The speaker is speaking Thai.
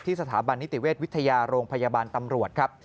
สถาบันนิติเวชวิทยาโรงพยาบาลตำรวจครับ